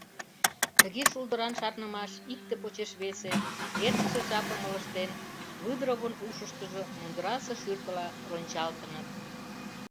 Тыге шулдыран шарнымаш икте почеш весе, эртыше жапым ылыжтен, Выдровын ушыштыжо мундырасе шӱртыла рончалтыныт.